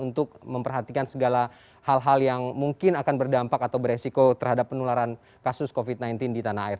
untuk memperhatikan segala hal hal yang mungkin akan berdampak atau beresiko terhadap penularan kasus covid sembilan belas di tanah air